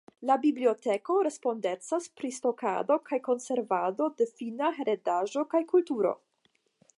La biblioteko respondecas pri stokado kaj konservado de finna heredaĵo kaj kulturo.